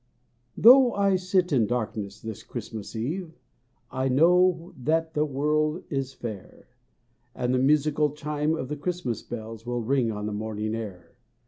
HOUGH I sit in darkness this Christmas eve, I know that the world is fair, And the musical chime of the Christmas bells Will ring on the morning air.